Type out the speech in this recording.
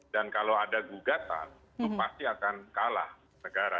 dan kalau ada gugatan itu pasti akan kalah negara